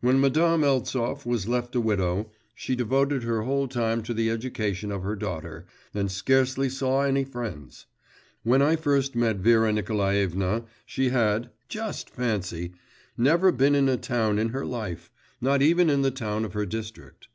When Madame Eltsov was left a widow, she devoted her whole time to the education of her daughter, and scarcely saw any friends. When I first met Vera Nikolaevna, she had just fancy never been in a town in her life, not even in the town of her district.